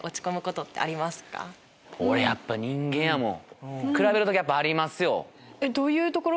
俺やっぱ人間やもん。